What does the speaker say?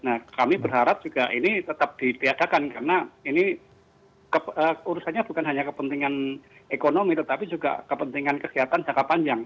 nah kami berharap juga ini tetap ditiadakan karena ini urusannya bukan hanya kepentingan ekonomi tetapi juga kepentingan kesehatan jangka panjang